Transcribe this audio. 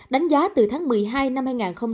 đánh giá từ tháng một mươi hai năm hai nghìn hai mươi